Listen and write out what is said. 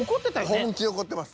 本気で怒ってます。